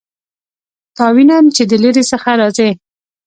تا وینم چې د لیرې څخه راځې